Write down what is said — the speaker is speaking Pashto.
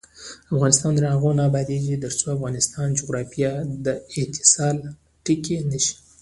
افغانستان تر هغو نه ابادیږي، ترڅو د افغانستان جغرافیه د اتصال ټکی نشي.